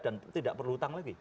dan tidak perlu utang lagi